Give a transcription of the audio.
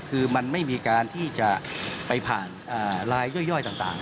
คือมันไม่มีการที่จะไปผ่านลายย่อยต่าง